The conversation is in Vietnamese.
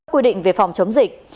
quy định về phòng chống dịch